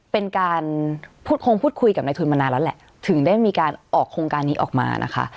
เป็นการคงพูดคุยกับนายทุนมานานแล้วแหละถึงได้มีการออกโครงการนี้ออกมานะคะ